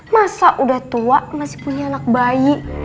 masa udah tua masih punya anak bayi